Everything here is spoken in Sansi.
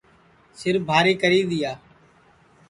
سِربھاری کری دؔیا